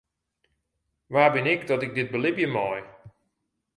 Wa bin ik dat ik dit belibje mei?